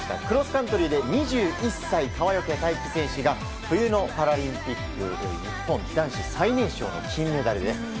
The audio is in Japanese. クロスカントリーで２１歳、川除大輝選手が冬のパラリンピック日本男子最年少の金メダルです。